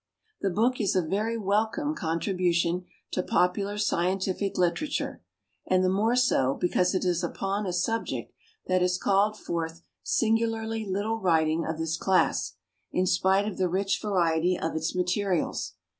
The book is a very welcome contribution to pojjular scientific literature, and the more so because it is upon a subject that has called forth singu larly little writing of this class, in spite of the rich variety of its materials.